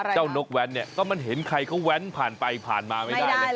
เจ้านกแว้นก็มันเห็นใครเขาแว้นผ่านไปผ่านมาไม่ได้เลย